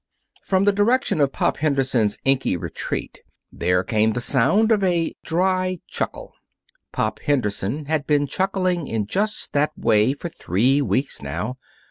From the direction of Pop Henderson's inky retreat, there came the sound of a dry chuckle. Pop Henderson had been chuckling in just that way for three weeks, now.